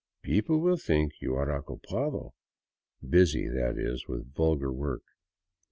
" People will think you are ocupado/' busy, that is, with vulgar work.